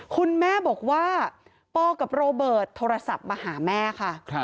คุณแม่บอกว่าปกับโรเบิร์ตโทรศัพท์มาหาแม่ค่ะ